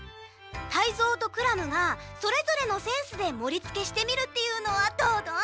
タイゾウとクラムがそれぞれのセンスでもりつけしてみるっていうのはどうドン？